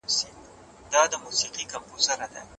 نرخونه به په راتلونکي کې ټیټ شي.